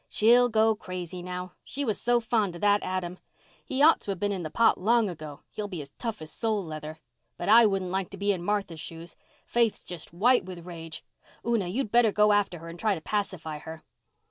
"She'll go crazy now. She was so fond of that Adam. He ought to have been in the pot long ago—he'll be as tough as sole leather. But I wouldn't like to be in Martha's shoes. Faith's just white with rage; Una, you'd better go after her and try to peacify her."